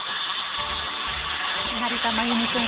成田真由美選手